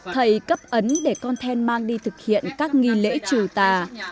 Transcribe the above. thầy cấp ấn để con then mang đi thực hiện các nghi lễ trừ tà